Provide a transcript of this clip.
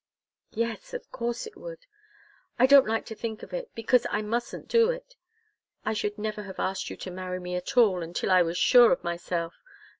"Yes of course it would. I don't like to think of it, because I mustn't do it. I should never have asked you to marry me at all, until I was sure of myself.